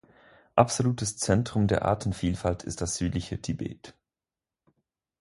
Absolutes Zentrum der Artenvielfalt ist das südliche Tibet.